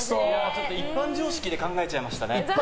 一般常識で考えちゃいましたね。